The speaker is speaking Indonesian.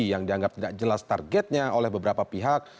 yang dianggap tidak jelas targetnya oleh beberapa pihak